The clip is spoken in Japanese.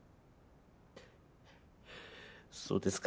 そうですか。